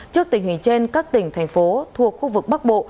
trước tình hình trên các tỉnh thành phố thuộc khu vực bắc bộ